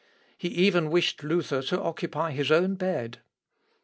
He even wished Luther to occupy his own bed.